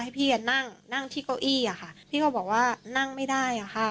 ให้พี่กันนั่งนั่งที่โก้ยอ่ะค่ะพี่เขาบอกว่านั่งไม่ได้อ่ะค่ะ